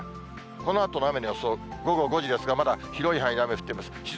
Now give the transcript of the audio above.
このあとの雨の予想、午後５時ですが、まだ広い範囲で雨降ってます。